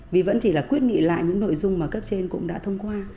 vì vẫn chỉ là quyết nghị lại những nội dung mà cấp trên cũng đã thông qua